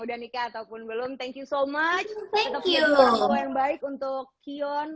udah nikah ataupun belum thank you so much thank you yang baik untuk kion